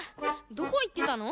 どこいってたの？